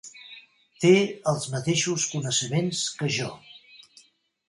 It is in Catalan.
Té els mateixos coneixements que jo.